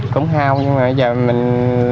cũng hao nhưng mà giờ mình